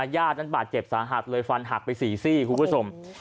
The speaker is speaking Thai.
ญาตินั้นบาดเจ็บสาหัสเลยฟันหักไป๔ซี่คุณผู้ชม